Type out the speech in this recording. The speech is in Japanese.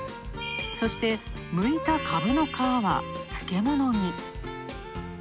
そして、むいたカブの皮は漬物に。